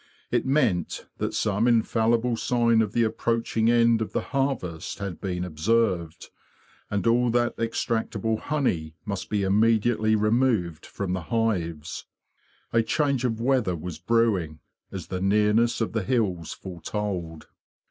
It meant that some infallible sign of the approaching end of the harvest had been observed, and that all extractable honey must be immediately removed from the hives. A change of weather was brewing, as the nearness of the hills foretold.